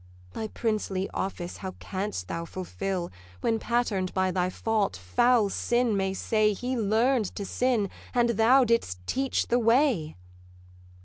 Thy princely office how canst thou fulfill, When, pattern'd by thy fault, foul sin may say He learn'd to sin, and thou didst teach the way?